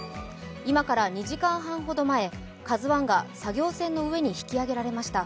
今から２時間半ほど前「ＫＡＺＵⅠ」が作業船の上に引き揚げられました。